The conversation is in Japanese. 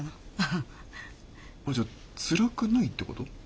あっじゃあつらくないってこと？